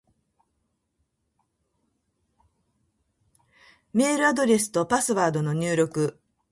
メールアドレスとパスワードの入力